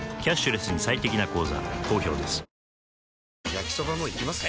焼きソバもいきます？